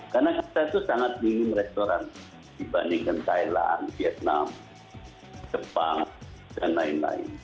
karena kita tuh sangat ingin restoran dibandingkan thailand vietnam jepang dan lain lain